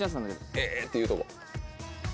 「へ」って言うとこ。